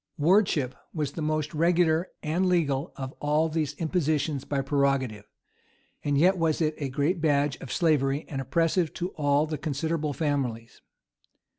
[] Wardship was the most regular and legal of all these impositions by prerogative; yet was it a great badge of slavery and oppressive to all the considerable families.